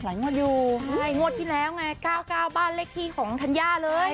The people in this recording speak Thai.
หลายงวดดีแล้วไงงวดที่แล้วไง๙๙บ้านเล็กที่ของธรรยาเลย